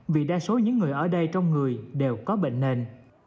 vì đa số những người ở đây trong người đều có bệnh nền